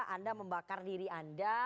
anda membakar diri anda